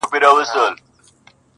حقيقت د دود للاندي پټيږي تل,